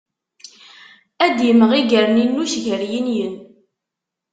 Ad d-imɣi gerninuc gar yinyen.